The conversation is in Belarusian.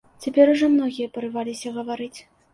Цяпер ужо многія парываліся гаварыць.